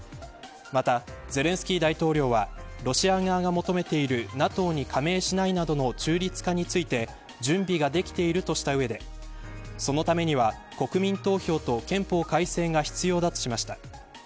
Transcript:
また、ゼレンスキー大統領はロシア側が求めているＮＡＴＯに加盟しないなどの中立化について準備ができているとした上でそのためには、国民投票と憲法改正が必要だとしました。